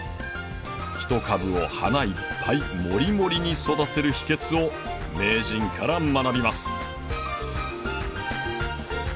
ひと株を花いっぱいモリモリに育てる秘けつを名人から学びます。